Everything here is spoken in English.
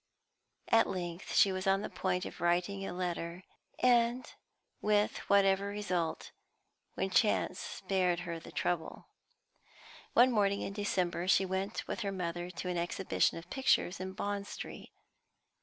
At length she was on the point of writing a letter, with whatever result, when chance spared her the trouble. One morning in December, she went with her mother to an exhibition of pictures in Bond Street.